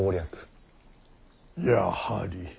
やはり。